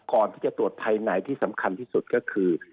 ก่อนที่จะตรวจภายในที่สำคัญที่สุดก็คือ